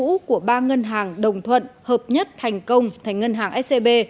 tại lúc của ba ngân hàng đồng thuận hợp nhất thành công thành ngân hàng scb